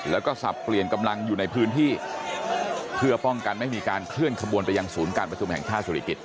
แล้วก็สับเปลี่ยนกำลังอยู่ในพื้นที่เพื่อป้องกันไม่มีการเคลื่อนขบวนไปยังศูนย์การประชุมแห่งชาติศิริกิจ